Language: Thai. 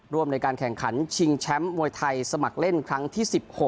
ร่วมในการแข่งขันชิงแชมป์มวยไทยสมัครเล่นครั้งที่๑๖